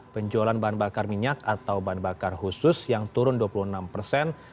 penjualan bahan bakar minyak atau bahan bakar khusus yang turun dua puluh enam persen